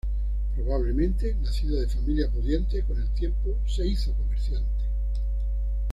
Probablemente nacido de familia pudiente, con el tiempo se hizo comerciante.